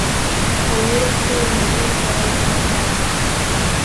په اوړي کې میوې خوړل ډېر ښه ده